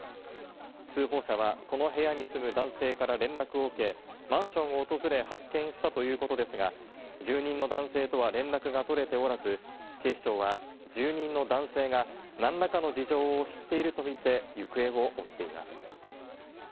通報者はこの部屋に住む男性から連絡を受け、マンションを訪れ発見したということですが、住人の男性とは連絡が取れておらず、警視庁は住人の男性が何らかの事情を知っているとみて行方を追っています。